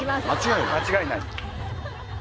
間違いない。